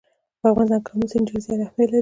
په افغانستان کې آمو سیند ډېر زیات اهمیت لري.